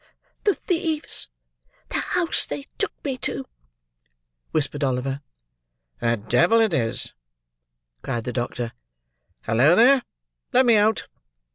"The thieves—the house they took me to!" whispered Oliver. "The devil it is!" cried the doctor. "Hallo, there! let me out!"